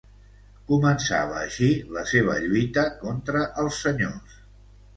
Començava així la seva lluita contra els senyors.